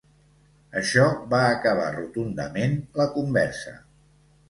Això va acabar rotundament la conversa.